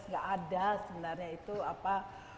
nggak ada sebenarnya itu apa